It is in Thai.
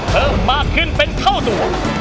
เพิ่มมากขึ้นเป็นเท่าตัว